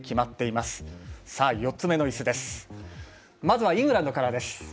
まあは、イングランドからです。